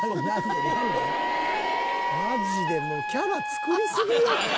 マジでもうキャラ作りすぎや。